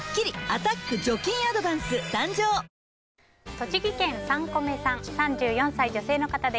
栃木県の３４歳女性の方。